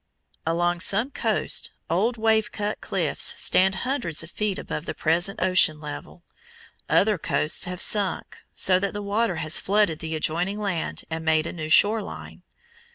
Along some coasts old wave cut cliffs stand hundreds of feet above the present ocean level. Other coasts have sunk, so that the water has flooded the adjoining land and made a new shore line.